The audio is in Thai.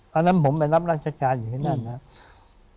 พระนำผมไปรับรัชกาลอยู่ที่นั่นนะครับ